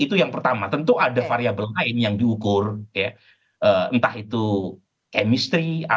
itu yang pertama tentu ada variable lain yang diukur entah itu kursi yang dimiliki oleh suatu partai itu power sharingnya proporsional